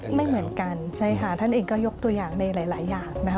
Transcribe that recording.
ไม่เหมือนกันใช่ค่ะท่านเองก็ยกตัวอย่างในหลายอย่างนะคะ